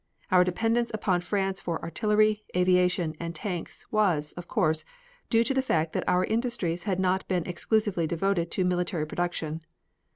Our dependence upon France for artillery, aviation, and tanks was, of course, due to the fact that our industries had not been exclusively devoted to military production.